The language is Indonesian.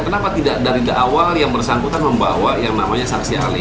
kenapa tidak dari awal yang bersangkutan membawa yang namanya saksi ahli